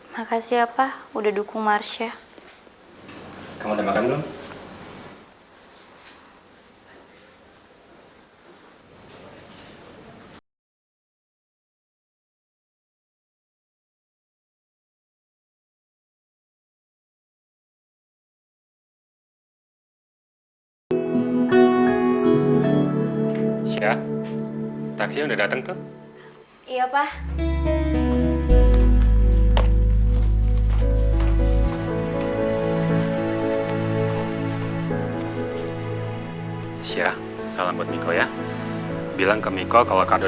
mereka udah lama gak ketemu